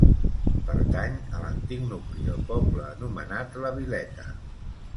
Pertany a l'antic nucli del poble anomenat la Vileta.